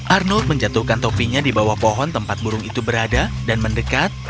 arnold menjatuhkan topinya di bawah pohon tempat burung itu berada dan mendekat